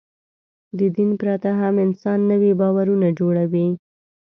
د دین پرته هم انسان نوي باورونه جوړوي.